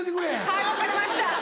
はい分かりました。